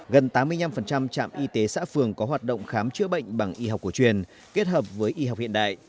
gần tám mươi năm trạm y tế xã phường có hoạt động khám chữa bệnh bằng y học cổ truyền kết hợp với y học hiện đại